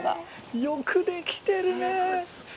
よくできてるねぇ。